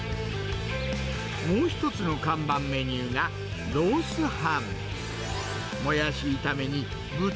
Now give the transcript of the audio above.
もう一つの看板メニューが、ロース飯。